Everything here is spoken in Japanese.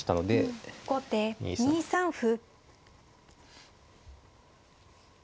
後手２三歩。